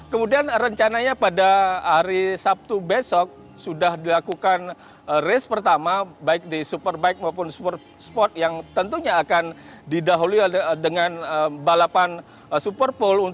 kemudian rencananya pada hari sabtu besok sudah dilakukan race pertama baik di superbike maupun sport yang tentunya akan didahului dengan balapan super pool